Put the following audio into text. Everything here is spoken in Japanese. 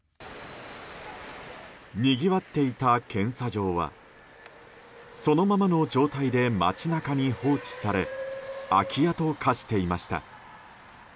にぎわっていた検査場はそのままの状態で街中に放置され空き家と化していました。